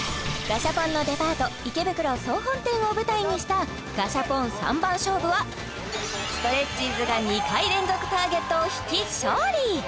ガシャポンのデパート池袋総本店を舞台にしたガシャポン三番勝負はストレッチーズが２回連続ターゲットを引き勝利！